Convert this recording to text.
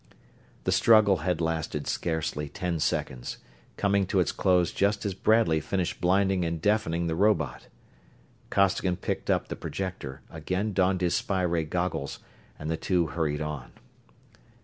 The struggle had lasted scarcely ten seconds, coming to its close just as Bradley finished blinding and deafening the robot. Costigan picked up the projector, again donned his spy ray goggles, and the two hurried on.